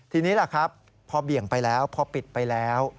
ทีนี้ล่ะครับพอเบี่ยงไปแล้วพอปิดไปแล้ว